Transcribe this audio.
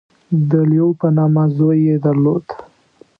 • د لیو په نامه زوی یې درلود.